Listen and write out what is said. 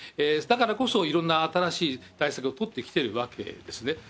だからこそ、いろんな新しい対策を取ってきてるわけですね。